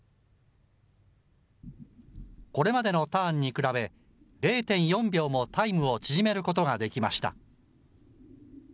これまでのターンに比べ、０．４秒もタイムを縮めることができました。